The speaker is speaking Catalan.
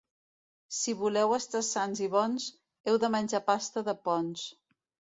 Si voleu estar sans i bons, heu de menjar pasta de Ponts.